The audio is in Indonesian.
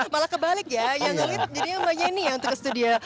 malah kebalik ya jadi mbak yeni yang terstudia